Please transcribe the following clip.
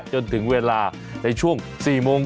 จนถึงเวลาในช่วง๔๓๐วัน